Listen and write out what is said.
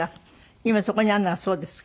今そこにあるのがそうですか？